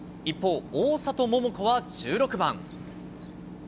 一方、大里桃子は１６番。